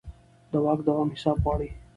د واک دوام حساب غواړي